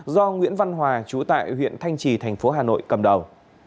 do nguyễn văn hòa trú tại huyện thanh trì thành phố hà nội cầm đầu